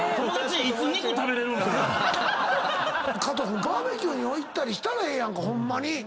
加藤君バーベキュー行ったりしたらええやんかホンマに。